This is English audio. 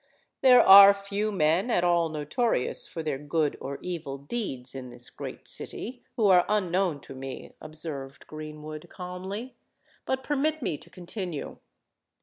"There are few men at all notorious for their good or evil deeds, in this great city, who are unknown to me," observed Greenwood, calmly. "But permit me to continue.